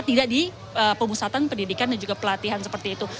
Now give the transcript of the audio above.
tidak di pemusatan pendidikan dan juga pelatihan seperti itu